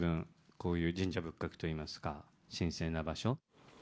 こういう神社仏閣といいますか、神聖な場所。